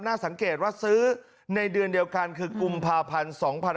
น่าสังเกตว่าซื้อในเดือนเดียวกันคือกุมภาพันธ์๒๕๖๒